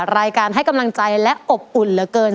รายการให้กำลังใจและอบอุ่นเหลือเกิน